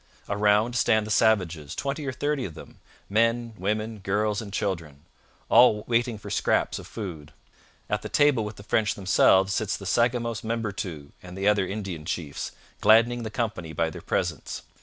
Around stand the savages, twenty or thirty of them, 'men, women, girls, and children,' all waiting for scraps of food. At the table with the French themselves sits the Sagamos Membertou and the other Indian chiefs, gladdening the company by their presence.